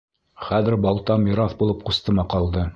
Хәҙер балта мираҫ булып ҡустыма ҡалды.